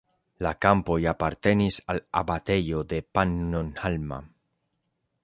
La kampoj apartenis al abatejo de Pannonhalma.